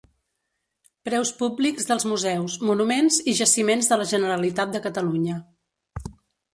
Preus públics dels museus, monuments i jaciments de la Generalitat de Catalunya.